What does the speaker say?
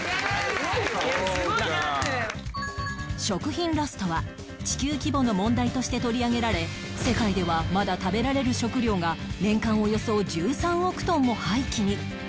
食品ロスとは地球規模の問題として取り上げられ世界ではまだ食べられる食料が年間およそ１３億トンも廃棄に